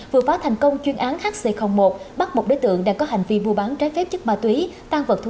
vừa phá thành công chuyên án hc một bắt một đối tượng đang có hành vi bệnh